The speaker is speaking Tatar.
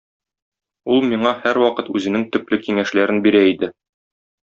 Ул миңа һәрвакыт үзенең төпле киңәшләрен бирә иде.